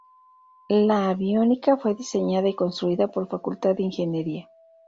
La aviónica fue diseñada y construida por Facultad de Ingeniería.